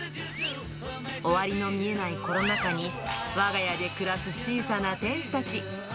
終わりの見えないコロナ禍に、わが家で暮らす小さな天使たち。